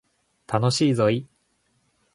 楽しいぞい